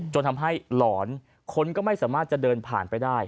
จนทำให้หลอนคนก็ไม่สามารถจะเดินผ่านไปได้